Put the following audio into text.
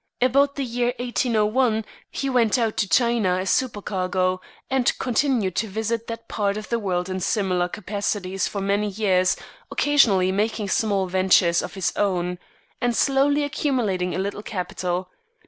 About the year 1801 he went out to China as supercargo, and continued to visit that part of the world in similar capacities for many years, occasionally making small ventures of his own, and slowly accumulating a little capital.